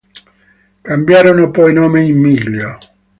Cambiarono poi nome in "Miglio".